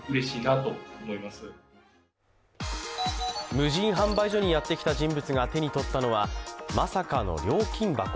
無人販売所にやってきた人物が手にとったのは、まさかの料金箱。